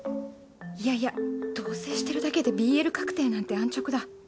いやいや同せいしてるだけでＢＬ確定なんて安直だ。